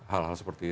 hal hal seperti itu